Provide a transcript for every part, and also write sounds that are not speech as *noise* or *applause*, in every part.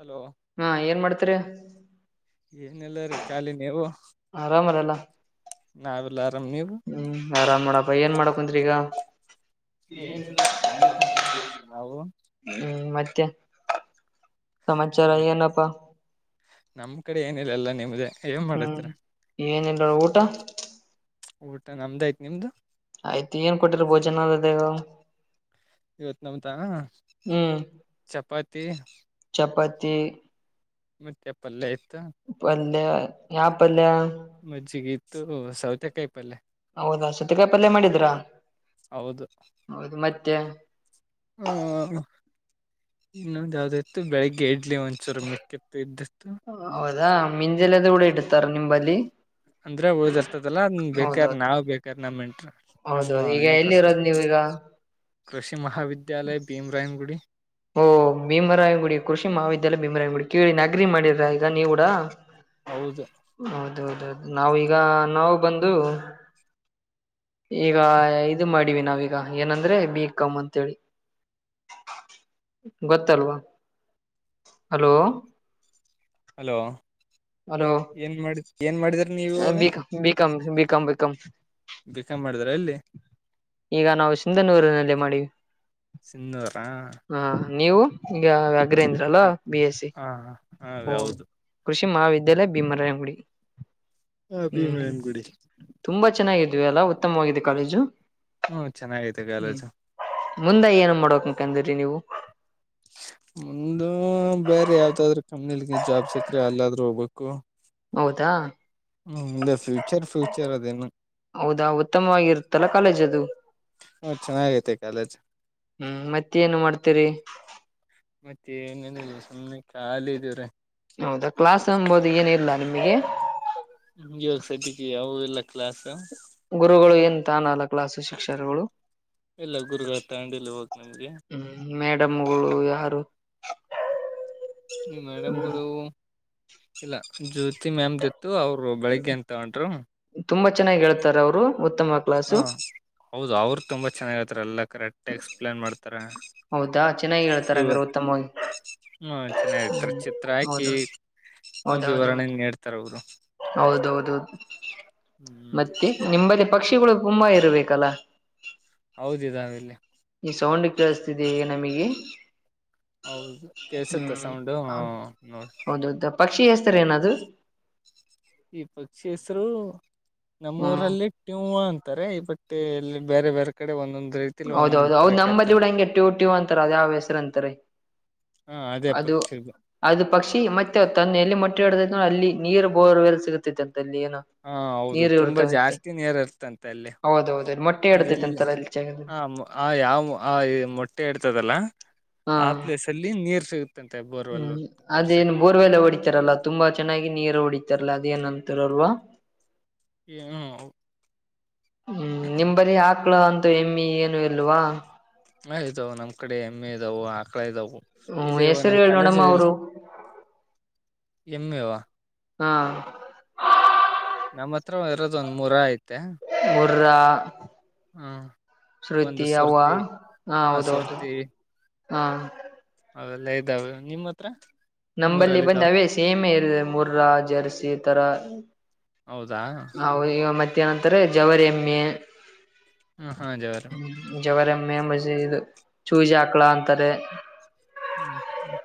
Hello ಹಾ ಏನ್ ಮಾಡ್ತರಿ ಏನೆಲ್ಲ ರೀ ಖಾಲಿ ನೀವು ಆರಾಮಾರಲ್ಲ ನಾವಲ್ಲ ಹ್ಮ್ ಆರಾಮ್ ನೋಡ್ಪ್ಪ ಏನ್ ಮಾಡ ಕುಂತಿರಿ ಈಗ. *inaudible* ಏನಿಲ್ಲ *unintelligible* ನಾವು ತ್ಯ ಸಮಾಚಾರ ಮತ್ತೆ ಏನಪ್ಪಾ ನಮ್ ಕಡೆ ಏನಿಲ್ಲ ಎಲ್ಲ ನಿಮ್ದೇ ಏನ್ ಹ್ಮ್ ಮಾಡತ್ರ ಏನಿಲ್ಲ ನೋಡ್ ಊಟ. ಊಟ ನಮ್ದ ಆಯ್ತು ನಿಮ್ದು. ಆಯ್ತು ಏನ್ ಕೊಟ್ಟಿರ ಭೋಜನದದೆಾಗ. ಇವತ್ ನಮ್ತ ಚಪಾತ್ ತ್ತಿ ಚಪ್ಪತ್ತಿ. ಮತ್ತೆ ಪಲ್ಲೆಹಿ ಪಲ್ಲ್ಯೆ ಯಾಪ್ಪಲ್ಯ ಮಜ್ಜಿಗ್ ತ್ತು ಸೌತೆ ಕಾಯಿ ಪಲ್ಲ್ಯೆ ಹೌದಾ ಸತೆಕಾಯಿ ಪಲ್ಯ ಮಾಡಿದ್ರ. ಹೌದು ಹೌದು ಮತ್ತೆ ಇನ್ನೊಂದು ಯಾವ್ದ ಇತ್ತು ಬೆಳಿಗ್ಗೆ ಎಡ್ ಇಡ್ಲಿ ಒಂದಸೂರ ಮಿಕ್ಕತ್ತು ಇದ್ದತ್ತುು. *unintelligible* ನಿಂಬಲಿಿ ಅಂದ್ರೆ ಉಳ್ದರ್ತದಲ್ಲ ಬೇಕಾರ ನಾವ್ ಬೇಕ್ರ ನಮ ಇಂಟ್ರ ನಮ್ಮ ಹೌದೌದು ಈಗ ಎಲ್ಲಿ ಇಂಟ್ರೆಸ್ಟ್. ಇರೋದು ನೀವೀಗ ಕೃಷಿ ಮಹಾವಿದ್ಯಾಲಯ ಭೀಮ ರಾಯನಗುಡ್ಡಿ. ಓ ಭೀಮರಾಯಗುಡಿ ಕೃಷಿ ಮಹಾವಿದ್ಯಾಲಯ ಭೀಮರಾಯಗುಡಿ ಕೇಳಿ ಅಗ್ರಿ ಮಾಡಿರ ಈಗ ನೀವೂಗೂಡ ಹೌದು ಅೌದೌದದು ನಾವೀಗ ನಾವು ಬಂದು ಈಗ ಇದು ಮಾಡಿವ ನಾವೀಗ ಏನಂದ್ರೆ ಬೀಕ್ಮ ಅಂತೇಳಿ. ಗೊತ್ತಲ್ವಾ ಹಲೋ ಹಲೋ ಏನ್ ಮಾಡದ್ರೀ ಏನ್ ಮಾಡಿದ್ರ್ ಬಿಕಮ ಬಿಕಾಮ ಬಿಕಮ ಬಿಕಾಂ ಮಾಡಿದ್ರ ಎಲ್ಲಿ ಈಗ ನಾವು ಸಿಂಧನೂರಿನಲ್ಲಿ ಮಾಡಿವಿ. ಸಿನ್ನೂರಾ ಹ ನೀವು ಈಗ ಅಗ್ರಂದ್ರಲ್ಲ ಬಿ ಎಸ್ ಸಿ ಹಾ ಹಾ ಹ ಹೌದು ಕೃಷಿ ಮಹಾಾವಿದ್ಯಾಲಯ ಭೀಮರಂಗುಡಿ ಹ ಭೀಮಯಾನ್ಗುಡಿ ಲ್ಲ ಉತ್ತಮವಾಗಿದೆ ಕಾಲೇಜು ಹ್ಮ್ ಚೆನ್ನಾಗಿತ ಗಲಜು. ಮುಂದ ಏನು ಮಾಡಕ್ ಮಂದಿರಿ ನೀವು ಮು್ದ ಬೇರೆ ಯಾವ್ದಾದ್ರ ಕಂಪ್ನಿಲಿ ಜಾಬ್ ಸಿಕ್ರ ಅಲ್ಲಾದ್ರೂ ಹೋಗ್ಬೇಕು ಹೌದಾ ಹ್ಮ ಫ್ಯೂಚರ್ ಫ್ಯೂಚರ್ ಅದೇನು ಹೌದಾ ಉತ್ತಮವಾಗಿರುತ್ತಲ್ಲ ಕಾಲೇಜ್ ಅದು ಹ ಚೆನ್ನಾಗೈತೆ ಕಾಲೇಜ್ ಹ್ಮ್ ಮತ್ತೇನು ಮಾಡ್ತೀರಿ ಮತ್ತೆ ಸಮ್ಮಿ ಖಾಲಿ ಇದೀವ್ರೀ ಹೌದಾ ಕ್ಲಾಸ್ ಅಂಬೋದು ಏನ ಇರ್ಲ್ಲ ನಿಮಗೆ ಹ ಇವಾಗ ಸತಿಿಕ ಅವಲ್ಲ ಕ್ಲಾಸ್ ಗುರುಗಳು ಎನ್ ತಾನಲ್ಲ ಕ್ಲಾಸ್ ಶಿಕ್ಷಕಗಳು ಇಲ್ಲ ಗುರುಗಳು ತಗೊಂಡಿಲ್ಲ ಇವಾಗ ನಮ್ಗೆ ಹ್ಮ್ ಮೇಡಮ್ಗಳು ಯಾರು? ಹ್ಮ್ ಹ್ಮ್ ಮೇಡಮ್ಗಳು. ಇಲ್ಲ ಜ್ಯೋತಿ ಮ್ಯಾಮ್ ದ ಇ ಅವ್ರು ಬೆಳಿಗ್ಗೆ ಎನ್ ತಗಂಡ್ರು ತುಂಬಾ ಚೆನ್ನಾಗಿ ಹೇಳ್ತಾರೆ ಅವ್ರು ಹಾ ಹೌದು ಅವರು ತುಂಬಾ ಚೆನ್ನಾಗಿತ್ತ ಎಲ್ಲ ಕರೆಕ್ಟ್ಕ್ಸ್ಪ್ಲೇನ್ ಮಾಡ್ತಾರೆ ಹೌದಾ ಚೆನ್ನಾಗಿ ಹೇಳ್ತಾರ ರವ ಹಂಗ್ರ ಉತ್ತಮವಾಗಿ ಹ್ಮ ಚೆನ್ನಾಗರ್ತಾರೆ ಹ್ಮ್ ಚಿತ್ರ ಹಾಕಿ ಹೌದೌದು ವಿವರಣೆ ಹೌದೌದೌದು ನೀಡ್ತಾರ ಅವರು ಅ ಹ್ಮ್ ಮತ್ತೆ ನಿಮ್ಮದ ಪಕ್ಷಿಗಳು ತುಂಬಾ ಇರ್ಬೇಕಲ್ಲ?. ಹೌದ್ ಇದಾ ವೆಲ್ಲಿ ಜಸ್ *inaudible* ಗ ನಮಿಗಿ. ಹೌದು ಕೆಸತ್ತ ಸೌಂಡ್ ಹ ನೋಡ. ಹೌದೌದು ಪಕ್ಷಿ ಹೆೇಸ್ತರ ಏನದು?. ಈ ಪಕ್ಷಿ ಹೆಸರು ಹ್ಮ್ ನಮ್ಮೂರಲ್ಲಿ ಟ್ಯೂ ಅನ್ ತಾರೆ ಬಟ್ ಇಲ್ಲಿ ಬ್ಯಾರೆ ಬ್ಯಾರೆ ಕಡೆ ಒನ್ನೊಂದ್ ಹೌದ ಹೌದು ಹೌದು ನಂಬಲ್ಲಿ *unintelligible* ಹೆಂಗೆ ಟ್ಯೂ ಟ್ಯೂ ಅಂತಾರ ಅದ್ ಯಾವ್ ಹೆಸರಂತಾರೆ. ಹಾ ಅದೇ ಅದು ಪಕ್ಷಿದು ಅದು ಪಕ್ಷಿ ಮತ್ತೆ ತನ್ನ ಎಲ್ಲಿ ಮೊಟ್ಟೆ ಹಡದ ನ ಅಲ್ಲಿ ನೀರ್ ಬೋರ್ ಎ ಸಿಗುತ್ತತ್ತು ಅ ಏನೋ ಹಾ ಹೌದು ನೀರು ತುಂಬಾ ಇರ್ತವೆಂತೆ ಜಾಸ್ತಿ ನೀರ್ ಇರ್ತಂತೆ ಅಲ್ಲಿ ಹೌದೌದು ಇಲ್ಲಿ ಮೊಟ್ಟೆ ಎಡ್ತೈತೆ ಅಂತಲ್ಲ ಅಲ್ಲಿ. ಜಾಗದಲ್ಲಿ ಹ ಆ ಯಾವ ಆ ಮೊಟ್ಟೆ ಇಡ್ತದಲ್ಲ ಹಾ ಆ ಪ್ಲೇಸ್ ಅಲ್ಲಿ ನೀರ್ ಸಿಗ್ ಹ್ಮ್ ಅದೇ ಏನ್ ಬೋರ್ವೆಲ್ಲ ಹೊಡಿತಾರಲ್ಲಾ ತುಂಬಾ ಚೆನ್ನಾಗಿ ನೀರು ಹೊಡಿತಾರಲ್ಲ. ಅದೇ ಏನಂತಿರಲ್ವಾ. ಯ ಹ್ಮ ಹ್ಮ್ ನಿಮ್ ಬರಿ ಹಾಕ್ಳ ಅನ್ ಎಮ್ಮಿ ಏನು ಇಲ್ವಾ. ಮ ಇದಾವ ನಮ್ ಕಡೆ ಎಮ್ಮೆ ಇದಾವ ಆಕಳ ಇದಾವ್ ಹ್ಮ್ ಇಲ್ಲ ಇವ ಹೆಸರು ನಮ್ ಹೇಳಿ ಕಾಲೇಜ ನೋಡಮ್ಮ ಇಲ್ ಅವರು ಎಮ್ಮೆ ವಾ, ಹಾ ನಮ್ಮ ಹತ್ರ ಇರೋದ್ ಒಂದ್ ಮೂರ ಆಯ್ ಮುರ್ರ, ಹ ಒಂದು ಶ್ರುತಿ ಅವ್ವ ಸುರ್ತಿ ಹಾ ಹೌದೌದು. ಹಾ ಅವೆಲ್ಲ ಇದಾವ ನಿಮ್ಮ್ ಹತ್ರ, ನಿಮ್ ನಂಬಲ್ಲಿ ಊರಲ್ಲಿ ಬಂದ ಇದಾವ ಅವೇ ಸೇಮೆ ಇರುದೆ ಮುರ್ರ ಜರ್ಸಿ ತರ ಹೌದಾ ಅವ್ ಇವ್ ಮತ್ ತ್ತ್ ಏನಂತಾರೆ ಜವರಿ ಎಮ್ಮೆ ಹ್ಮ ಹಾ ಜವರೆಮ್ ಜವರೆಮ್ಮೆ ಮಜಿ ಇದು ಚೂಜಿ ಹಾಕ್ಳ ಅಂತಾರೆ. ಹ್ಮ್ ಹ್ಮ್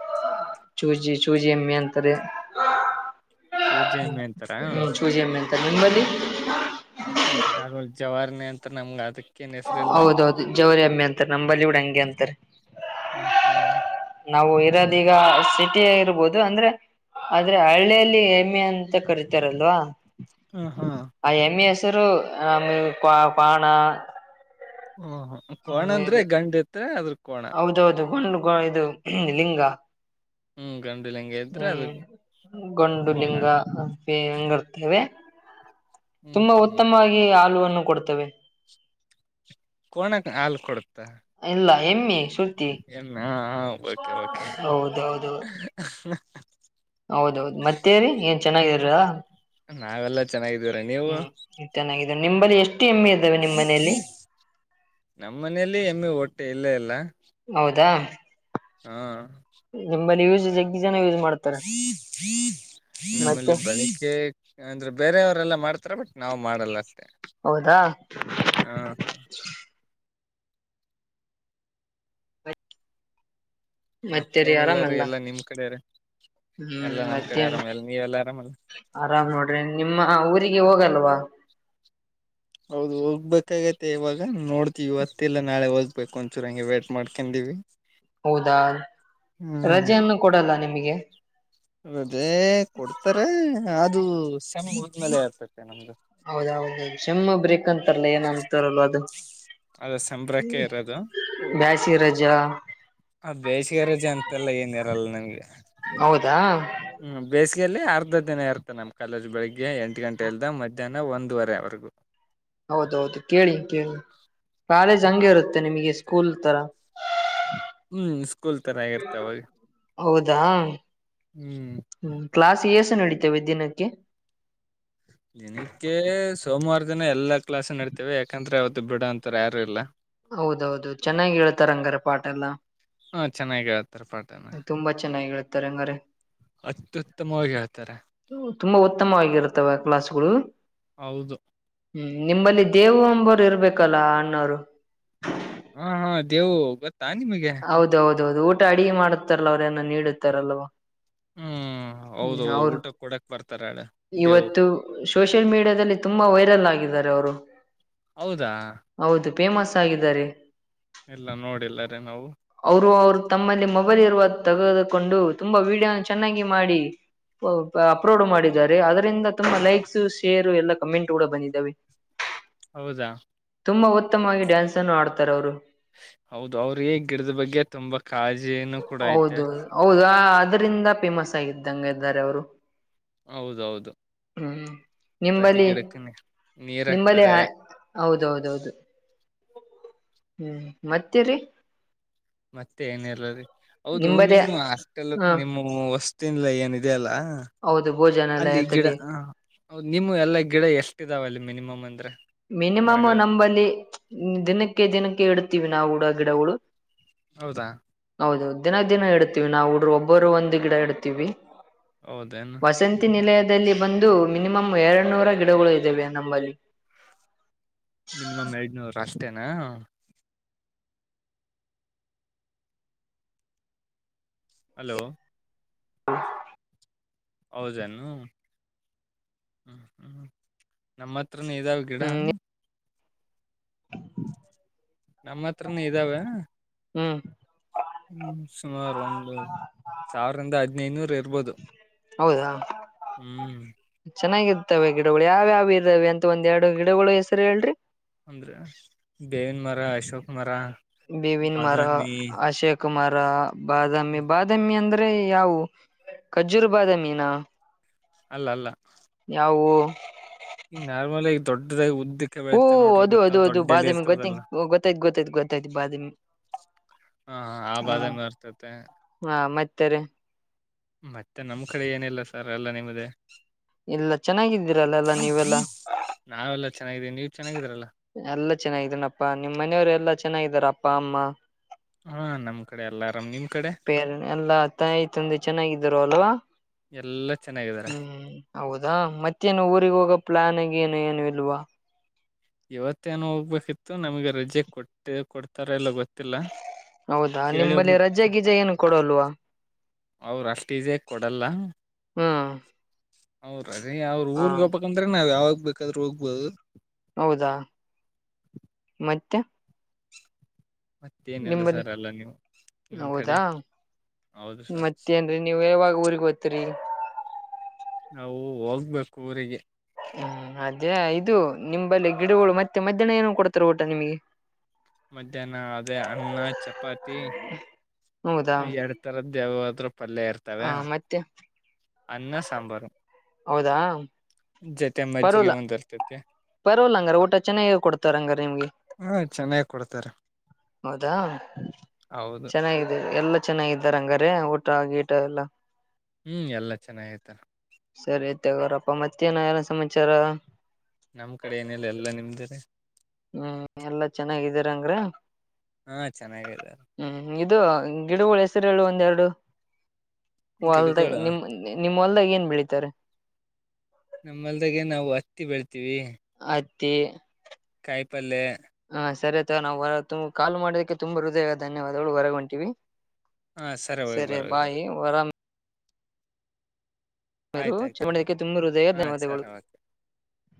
ಚೂಜಿ ಚೂಜಿ ಎಮ್ಮಿ ಅಂತಾರೆ. ಸೂಜಿ ಏಮ್ಮೆ ಅಂತಾರ ಹ್ಮ್ ಚೂಜಿ ಎಮ್ಮೆ ಅಂತಾರೆ ನಿಮ್ಮಲ್ಲಿ ಇಲ್ಲ ನಾರ್ಮಲ್ ಜವಾರಣೆ ಅಂತ್ರ್ ನಮ್ಗ್ ಅದಿಕ್ ಹೌದೌದು ಜವರಿ ಏಮ್ಮಿ ಅಂತಾರೆ ನಮ್ಮಂಬಲ್ಲಿ ಬುಡ ಹಂಗೆ ಅಂತಾರೆ. ಹ್ಮ್ ಹ್ಮ್ ನಾವು ಇರೋದೀಗ ಸಿಟಿ ಇರ್ಬೋದು ಅಂದ್ರೆ ಆದ್ರೆ ಹಳ್ಳಿಯಲ್ಲಿ ಎಮೆ ಅಂತ ಕರಿತಾರಲ್ವಾ. ಹ್ಮ್ ಹಾ. *inaudible* ಪಾಣ ಹಓ ಕೋಣ ಅಂದ್ರೆ ಗಂಡ್ ಇತ್ ಅದ್ರ ಕೋಣ ಕೊಂಡು ಇದು ಲಿಂಗ ಹ್ಮ್ ಗಂಡು ಲಿಂಗ ಇದ್ರೆ ಅದ ಹ್ಮ್ ಕೋಣ ಗಂಡುಲಿಂಗ ಹೆಂಗರ್ತೇವೆ ಹ್ಮ್ ತುಂಬಾ ಹ್ಮ್ ಉತ್ತಮವಾಗಿ ಹಾಲು ಕೊಡ್ತವೆ ಕೋಣಕ್ ಹಾಲ್ ಕೊಡುತ್ತಾ, ಇಲ್ಲ ಎಮ್ಮಿ. ಎನ್ ಓಕೆ ಓಕೆ *inaudible* ಹೌದೌದು ಹೌದೌದು ಮತ್ತೇರಿೀ ಏನ್ ಚೆನ್ನಾಗಿದ್ರ ನಾವೆಲ್ಲಾ ಚೆನ್ನಾಗಿದ್ದೀವ್ರ ನೀವು ಹ್ಮ ಚೆನ್ನಾಗಿ ನಿಂಬಲ್ಲಿ ಎಷ್ಟು ಎಮ್ಮೆ ಇದ್ದಾವೆ ನಿಮ್ಮ್ ಮನೆಯಲ್ಲಿ *inaudible* ನಮ್ಮ ಮನೇೆಯಲ್ಲಿ ಹೆಮ್ಮೆ ಒಟ್ಟ ಮ ಇಲ್ಲೇ ಎಲ್ಲ ಹೌದಾ ಹಾ ನಿಮ್ಮ ನೀವುಸ್ *inaudible* ಜ ಮತ್ತೆ ನಮ್ಮಲ್ಲಿ ಬಳಿಕೆ ಅಂದ್ರೆ ಬೇರೆಯವರೆಲ್ಲ ಮಾಡ್ತಾರ ಬಟ್ ನಾವು ಮಾಡಲ್ಲಷ್ಟೆ ಹೌದಾ ಹಾ ಹ ಮತ್ತೆ ರೀ ಮತ್ತೇನಲ್ಲಾರೀ ಆರಾಮಲ್ಲ ಎಲ್ಲಾ ನಿಮ್ ಕಡೆ ರೀ ಹ್ಮ್ ಎಲ್ಲಾ ನಮ್ ಕಡೆ ಮಧ್ಯಾಹ ಆರಾಮ ಎಲ್ಲ ನೀವೆಲ್ಲಾ ಆರಾಮಲ್ಲ ಆರಾಮ್ ನೋಡ್ರಿ ನಿಮ್ಮ ಊ ಈ ಹೋಗಲ್ವಾ ಹೌದು ಹೋಗ್ಬೇಕಾಗತೆ ಇವಾಗ ನೋಡ್ತಿವಿ ಇವತ್ತಲ್ಲ ನಾಳೆ ಹೋಗ್ಬೇಕು ಒಂದಚೂರ ಹಂಗೆ ವೇಟ್ ಮಾಡ್ಕೊಂಡಿವವಿ ಹೌದಾ ರಜೆಯನ್ನು ಕೊಡಲ್ಲ ನಿಮ ಗೆ ಹೌ *inaudible* ಅದೇ ಕೊಡ್ತಾರೆ ಅ ಅದು ಸಮಯ ಹೋದ್ಮೇಲೆ ಆರ್ತೆ ನಮ್ದ ಹೌದೌದ ಚಮ್ಮ ಬ್ರೇಕ್ ಹಂತಾರಲ್ಲ ಏನಂತಾರಲ್ ಅದು ಅದ ಸಂಬ್ರಕ್ಕೆ ಇರೋದು ಬ್ಯಾಸಿ ರಜಾ ಆ ಬೇಷಗಾರಜೆ ಅಂತೆಲ್ಲ ಏನ್ ಇರಲ್ಲ ನಿಮ್ಗೆ ಹೌದಾ ಲ್ಲಿ ಅರ್ಧ ದಿನ ಇರ್ತ್ತೆ ನಮ್ಮ್ ಕಾಲೇಜ್ ಬೆಳಗ್ಗೆ ಎಂಟು ಗಂಟೆ ಇಲ್ ಮಧ್ಯಾಹ್ನ ಒಂದುವರೆವಗೂ ಹೌದೌದು ಕೇಳಿ ಕೇಳಿ ಕಾಲೇಜ್ ಹಂಗೆ ಇರುತ್ತೆ ನಿಮಗೆ ಸ್ಕೂಲ್ ತರ ಹ್ಮ್ ಸ್ಕೂಲ್ ತರಾಗಿರ್ತ ಅವಾಗ ಹೌದಾ ಹ್ಮ್ ಹ್ಮ ಕ್ಲಸ್ ಎ ನಡೀತೇವೆ ದಿನಕ್ಕೆ ದಿನಕ್ಕೆ ಸೋಮವಾರ ದಿನ ಎಲ್ಲ ಕ್ಲಸ್ಡಡ್ತವೆ ಯಾಕಂದ್ರೆ ಅವದು ಬಿಡ ಅಂತಾರೆ ಯಾರುಲ್ಲ ಹೌದೌದು ಚೆನ್ನಾಗಿ ಹೇಳತ ರಂಗರ ಪಾಟ್ ಎಲ್ಲ ಹಾ ಚೆನ್ನಾಗಿ ಹೇಳ್ತಾರೆ ಪಾಠನ ತುಂಬಾ ಚೆನ್ನಾಗಿ ತರಂಗರೆ ಅತ್ಯುತ್ತಮವಾಗಿ ಹೇಳ್ತಾರೆ ತುಂಬಾ ಉತ್ತಮವಾಗಿರುತ್ತವೆ ಕ್ಲಾಸ್ಗಳು ಹೌದು ಹ್ಮ್ ನಿಂಬಲ್ಲಿ ದೇವು ಎಂಬೋರು ಇರ್ಬೇಕಲ್ಲ ಅಣ್ಣವರು ಹಾ ಹಾ ದೇವು ಗೊತ್ತ ತಾ ನಿಮಗೆ ಹೌದು ಊಟ ಅಡುಗೆ ಮಾಡುತ್ತಾರಲ್ಲ ಅವ್ರೇಏನ ನೀಡುತ್ತಾರಲ್ವಾ ಹ್ಮ್ ಹೌದೌದು ಊಟ ಕೊಡಕ್ ಬರ್ತ ಇವತ್ತು ಸೋಷಿಯಲ್ ಮೀಡಿಯಾದಲ್ಲಿ ತುಂಬಾ ವೈರಲ್ ಆಗಿದ್ದಾರೆ ಅವರು ಹೌದಾ ಹೌದು ಫೇಮಸ್ ಆಗಿದ್ದಾರೆ ಇಲ್ಲ ನೋಡಿಲ್ಲಾರೆ ನಾವು ಅವರು ಅವರು ತಮ್ಮಲ್ಲಿ ಮೊಬೈಲ್ ಇರುವ ತೆಗೆದುಕೊಂಡು ತುಂಬಾ ವಿಡಿಯೋ ಚೆನ್ನಾಗಿ ಮಾಡಿ ಅಪ್ಲೋಡ್ ಮಾಡ ಅದರಿಂದ ತುಂಬಾ ಲೈಕ್ಸ್ ಶೇರ್ ಎಲ್ಲ ಕಮೆಂಟ್ ಕೂಡ ಬಂದಿದ್ದಾವೆ ಹೌದಾ ತುಂಬಾ ಉತ್ತಮವಾಗಿ ಡ್ಯಾನ್ಸ್ ಅನ್ನು ಆಡ್ತಾರೆ ಅವರು ಹೌದು ಅವ್ರ ಗಿಡದ ಬಗ್ಗೆ ತುಂಬ ಕಾಳಜಿನು ಕೂಡ ಐತೆ ಅದ್ರಂದ ಫೇಮಸ್ ಆಗಿದ್ದಂಗೆ ಇದ್ದಾರೆ ಅವರು ಹೌದೌದು ಹ್ಮ್ ಪ್ರತಿ ನಿಂಬಲ್ಲಿ ಗಿಡಕ್ಕ ನೀರ್ ನಿಂಬಲ್ಲಿ ಹಾಕ್ತಾರೆ ಹ ಹೌದೌದೌದು ಹ್ಮ್ ಮತ್ತೆರಿ ಮತ್ತೆ ಏನಲ್ಲೀ ಹೌದು ನಿಂಬಲ್ಲಿ ನಿಮ ಅಷ್ಟೆಲ್ ಹ ನಿಮ್ಮ ವಸ್ತಲ್ಲ ಏನು ಇದೆ ಅಲ್ಲ ಹ ಹೌದು ಅಲ್ಲಿ ಗಿಡ ಭೋಜನಾಲಯದಲ್ಲಿ ಹ ನಿಮ ಎಲ್ಲಾ ಗಿಡ ಎಷ್ಟ ಇದಾವೆ ಅಲ್ಲಿ ಮಿನಿಮಮ್ ಅಂತ ಮಿನಿಮಮ್ ನಂಬಲ್ಲಿ ದಿನಕ್ಕೆ ದಿನಕ್ಕೆ ಇಡ್ತೀವಿ ನಾವು ಗಿಡಗಳು ಹೌದಾ ಹೌದು ದಿನ ದಿನ ಇಡ್ತೀವಿ ನಾವು ಹುಡ್್ರ ಒಬ್ಬರು ಒಂದು್ ಗಿಡ ಇಡ್ತೀವಿ ಹೌದೇನು ವಸಂತಿ ನಿಲಯದ ದಲ್ಲಿ ಬಂದು ಮಿನಿಮಮ್ ಎರಡ್ ನೂರ ಗಿಡಗಳು ಇದ್ದಾವೆ ನಮ್ಮಲ್ಲಿ ಮಿನಿಮಮ್ ಎಐಡ್ನೂರು ರಾ ಅತ್ತೇನಾ ಹಲೋ ಹೌದನು ಹ್ಮ ಹ್ಮ್ ನಮ್ಮತ್ ಪತ್ರ ನೀದಾವ ಗಿಡ ಹ್ಮ್ ನಮ್ಮ ಹತ್ರನ ಇದಾವೆ ಹ್ಮ್ ಹ್ಮ ಸುಮಾರು ಒಂದು ಸಾವಿರಿಂದ ಹದ್ನೈನೂರ ಇರ್ಬೋದು ಹೌದಾ ಹ್ಮ್ *inaudible* ಚೆನ್ನಾಗಿರ್ತವೆ ಗಿಡಗಳು ಯಾವ್ಯಾವ ಇರಾವವಿ ಅಂತ ಒಂದ್ ಎರಡು ಗಿಡಗಳು ಹೆಸರು ಹೇಳ್ರಿ ಅಂದ್ರ ಬೇವನ್ ಮರ ಅಶೋಕ್ ಮರ ಬೇವಿನ್ಮಾರ ಬಾದಾಮಿ ಆಶೆೇಕ ಕುಮಾರ ಬಾದಾಮಿ ಬಾದಾಮಿ ಅಂದ್ರ ಅ್ರೆ ಯಾವವು ಖಜ್ಜುರು ಬಾದ ಮೀನಾ ಅಲ್ಲ ಅಲ್ಲ ಯವುು ಈ ನಾರ್ಮಲ್ ಆಗಿ ದೊಡ್ಡದಾಗಿ ಉದ್ದ ಹಓ ಅದು ಅದು ಅದು ಬಾದಾಮಿ ಗೊತ್ತ ಗೊತ್ತಾಯ್ತು ಗೊತ್ತಾಯ್ತ್ ಗೊತ್ತಾಯ್ತು ಬಾದಾಮಿ ಹ ಆ ಬಾದಾಮಿ ಬರ್ತತೆ ಹ್ಮ್ ಹ ಮತ್ತೆ ತ್ತರ ಮತ್ತೆ ನಮ್ ಕಡೆ ಏನಿಲ್ಲ ಸರ್ ಎಲ್ಲ ನಿಮ್ದೇ ಇಲ್ಲ ಚೆನ್ನಾಗಿದ್ದೀರಲ್ಲಲ್ಲ ನೀವೆಲ್ಲಾ ಚೆನ್ನಾಗಿದೆ ನೀವು ಚೆನ್ನಿದೀಲ್ಲ ಎಲ್ಲಾ ಚೆನ್ನಾಗಿದನಪ್ಪಾ ನಿಮ್ಮ ಮನೆಯವ್ರು ಎಲ್ಲಾ ಚೆನ್ನಾಗಿದಾರ ಅಪ್ಪ ಅಮ್ಮ ಎಲ್ಲಾರಾಮ್ ನಿಮ್ ಕಡೆ ೇರೆ ಎಲ್ಲ ತಾಯಿ ತಂದೆ ಚೆನ್ನಾಗಿದ್ದರು ಅಲ್ವಾ ಎಲ್ಲಾ ಚೆನ್ನಾಗಿದಾರ ಹ್ಮ್ ಹೌದಾ ಮತ್ತೇನು ಊರಿಗೆ ಹೋಗೋ ಪ್ಲಾನ್ ಆಗ ಏನು ಏನು ಇಲ್ವಾ ಇವತ್ತೇಏನು ಹೋಗ್ಬೇಕಿತ್ತು ನಮ್ಗೆ ರಜೆ ಕೊಟ್ಟ ಕೊಡ್ತಾರ ಎಲ್ಲ ಗೊತ್ತ ಹೌದಾ ನಿಮ್ಮಲ್ಲಿ ರಜೆ ಗೀಜ ಏನು ಕೊಡಲ್ವಾ ಅವ್ರ ಅಷ್ಟ ಇದೇ ಕೊಡಲ್ಲ ಹ್ಮ್ ಹೌದು *inaudible* ಅದ ಅವ್ರ ಹ ಊರ್ಗ್ೋಗಪ್ಪಬೇಕಕ್ ಅ್ರೆ ನ ಯಾವ ಹೋಗಬೇಕಾದ್ರೂ ಹೋಗ್ಬೋದು ಹೌದಾ ಮತ್ತೆ *unintelligible* ಮತ್ತೇನಿಲ್ಲ ನಿಮ್ಮಲ್ಲಿ ಸರ್ ಎಲ್ಲ ನೀವು ನಿಮ್ ಕಡೆ ಹೌದಾ ಹೌದು ಸರ್ ಮತ್ತೇನ್ರಿ ನೀವು ಯಾವಾಗ ಊರಿಗ್ ಹೋಯ್ತೀರಿ *unintelligible* ನಾವು ಹೋಗ್ಬೇಕು ಊರಿಗೆ *unintelligible* ಹ್ಮ್ ಅದೇ ಇದು ನಿಮಲ್ಲಿ ಗಿಡಗಳು ಮತ್ತೆ ಮಧ್ಯಾಹ್ನ ಏನ ಕೊಡ್ತಾರ ಊಟ ನಿಮಗೆ *unintelligible* ಮಧ್ಯಾಹ್ನ ಅದೇ ಅನ್ನ ಚಪಾತಿ ಹೌದಾ ಎರಡ್ ತರದ್ದ ಯೇವಾದ್ರೂ ಪಲ್ಯ ಹ ಇರ್ತವೆ ಮತ್ತೆ ಅನ್ನ ಸಾಂಬಾರು ಹೌದಾ ಜೊತೆ ಮಜ್ಜಿಗೆ ಪರ್ವಲ ಒಂದ್ ಇರ್ತೈತಿ ಪರವಲ್ಲ ಹಂಗಾರ ಊಟ ಚೆನ್ನಾಗ ಕೊಡ್ತಾರ ಹಂಗಾರ ನಿಮ್ಗೆ ಹಾ ಚೆನ್ನಾಗ್ ಕೊಡ್ತಾರೆ ಹೌದಾ ಹೌದು ಚೆನ್ನಾಗಾಗಿದೆ ಎಲ್ಲಾ ಚೆನ್ನಾಗಿದ್ದಾರೆ ಹಂಗಾರೆ ಆಗಿಟ ಎಲ್ಲ ಹ್ಮ್ ಎಲ್ಲಾ ಚೆನ್ನಾಗಿತಾರ *unintelligible* ಎಲ್ಲಾರಪ್ಪ ಮತ್ತೆನ *unintelligible* ಸಮಾಚಾರ *unintelligible* ನಮ್ ಕಡೆ ಏನಿಲ್ಲ ಎಲ್ಲಾ ನಿಮ್ದರಿ *unintelligible* ಹ್ಮ್ ಎಲ್ಲಾ ಚೆನ್ನಾಗಿದೀರಂಗ್ರ *unintelligible* ಹಾ ಚೆನ್ನಾಗಿದ್ದಾರೆ *unintelligible* ಇದು ಗಿಡಗುಳು ಹೆಸುರೆಳು ಒಂದೆರಡು *unintelligible* ಹೊಲ್ದ ಗಿಡಗಳು ನಿಮ ನಿಮ್ಮಲ್ದ ಏನ್ *unintelligible* ಬೆಳಿತಾರೆ *unintelligible* ನಮ್ಮಲ್ದಾಗೆ ನಾವು ಹತ್ತಿ ಬೆಳ್ತೀವಿ *unintelligible* ಅತ್ತಿ *unintelligible* ಕಾಯಿಪಲ್ಲೆ *unintelligible* ನಾವು ಕಾಲ್ ಮಾಡೋದಕ್ಕೆ ತುಂಬಾ ಹೃದಯ ಧನ್ಯವಾದಗಳು ಹೊರಗ ಹೊಂಟಿವಿ ಹಾ *unintelligible* ಹೋಗಿ ಸರಿ ಬರ ಹೋಗಿ ಬರ ಬಾಯ್ ವರಾಮ *unintelligible* ರು ಆಯ್ತ ಆಯ್ತು ಚಮಂಡಕ್ಕೆ ತುಂಬು ಹೃದಯದ ಹಾ ಧನ್ಯವಾದಗಳು ಸರಿ ಓಕೆ *unintelligible*